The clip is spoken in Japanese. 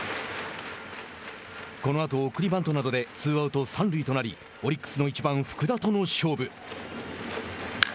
このあと送りバントなどでツーアウト、三塁となりオリックスの１番福田との勝負。